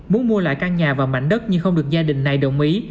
muốn mua lại căn nhà và mảnh đất nhưng không được gia đình này đồng ý